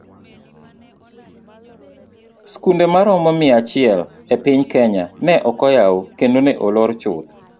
Skunde maromo mia achiel e piny kenya ne okoyaw kendo ne olor chuth.